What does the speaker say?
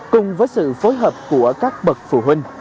cùng với sự phối hợp của các bậc phụ huynh